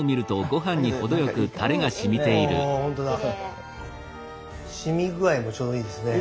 しみ具合もちょうどいいですね。